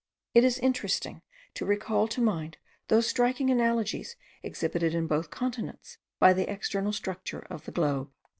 It is interesting to recall to mind those striking analogies exhibited in both continents by the external structure of the globe.